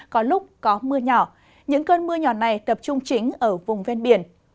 có lúc có mưa nhỏ những cơn mưa nhỏ này tập trung chính ở vùng ven biển